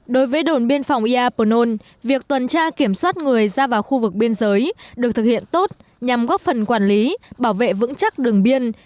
đối với đồn biên phòng iapon việc tuần tra kiểm soát người ra vào khu vực biên giới được thực hiện tốt nhằm góp phần quản lý bảo vệ vững chắc đường biên